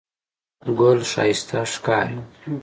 ګل ښایسته ښکاري.